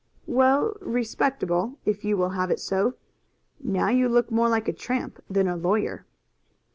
"Well, respectable, if you will have it so. Now you look more like a tramp than a lawyer."